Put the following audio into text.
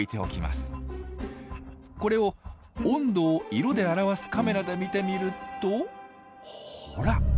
これを温度を色で表すカメラで見てみるとほら。